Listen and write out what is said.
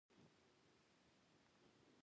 احمد خپل دوښمنان وټکول.